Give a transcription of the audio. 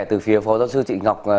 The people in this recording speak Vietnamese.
từ phía phó giáo sư chị ngọc